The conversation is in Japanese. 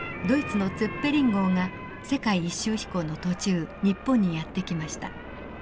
ドイツのツェッペリン号が世界一周飛行の途中日本にやって来ました。